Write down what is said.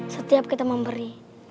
setiap kita memberi